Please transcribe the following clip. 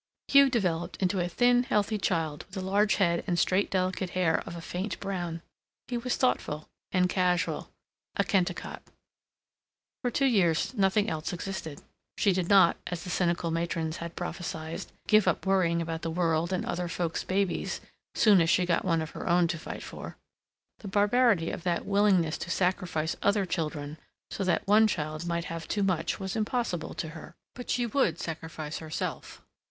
Hugh developed into a thin healthy child with a large head and straight delicate hair of a faint brown. He was thoughtful and casual a Kennicott. For two years nothing else existed. She did not, as the cynical matrons had prophesied, "give up worrying about the world and other folks' babies soon as she got one of her own to fight for." The barbarity of that willingness to sacrifice other children so that one child might have too much was impossible to her. But she would sacrifice herself.